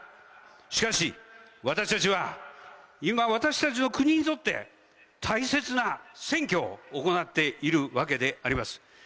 しかし、私たちは、今私たちの国にとって大切な選挙を行っているわけであります。